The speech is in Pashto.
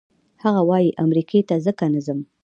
هغه وايي امریکې ته ځکه نه ځم.